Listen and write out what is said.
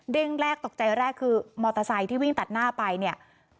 เด้งแรกตกใจแรกคือมอเตอร์ไซค์ที่วิ่งตัดหน้าไป